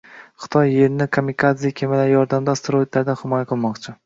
Xitoy Yerni «kamikadze» kemalar yordamida asteroidlardan himoya qilmoqchi